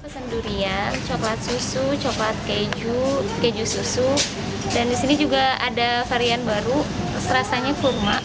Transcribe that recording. pesen durian coklat susu coklat keju keju susu dan disini juga ada varian baru terus rasanya kurma